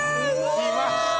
きました！